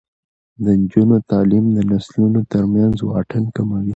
د نجونو تعلیم د نسلونو ترمنځ واټن کموي.